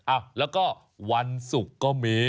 อ้าวแล้วก็วันศุกร์ก็มี